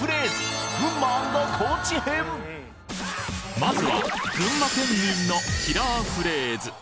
まずは群馬県民のキラーフレーズ